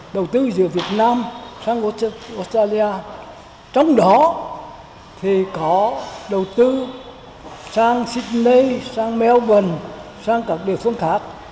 đầu tư giữa việt nam sang australia trong đó thì có đầu tư sang sydney sang melbourne sang các địa phương khác